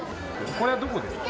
これはどこですか。